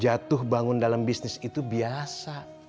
jatuh bangun dalam bisnis itu biasa